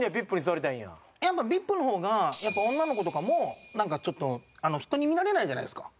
やっぱＶＩＰの方が女の子とかもなんかちょっと人に見られないじゃないですか。